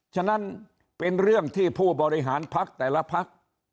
ฉะนั้นเป็นเรื่องที่ผู้บริหารพักแต่ละพัก